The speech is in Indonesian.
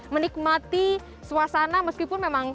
menikmati suasana meskipun memang